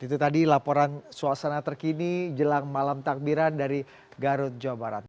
itu tadi laporan suasana terkini jelang malam takbiran dari garut jawa barat